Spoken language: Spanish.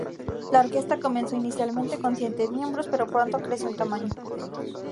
La orquesta comenzó inicialmente con siete miembros, pero pronto creció en tamaño.